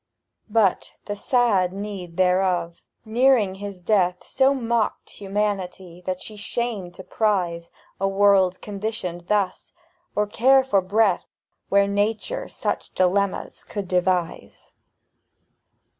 But the sad need thereof, his nearing death, So mocked humanity that she shamed to prize A world conditioned thus, or care for breath Where Nature such dilemmas could devise.